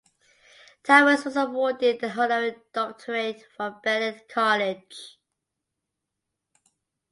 Thomas was awarded an honorary doctorate from Bennett College.